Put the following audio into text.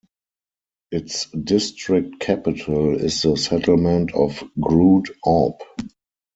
Its district capital is the settlement of Groot Aub.